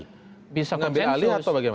mengambil alih lagi atau bagaimana